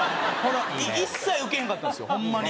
一切ウケへんかったんですよホンマに。